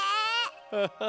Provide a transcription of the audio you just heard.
フフフ。